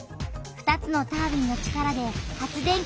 ２つのタービンの力で発電機が動き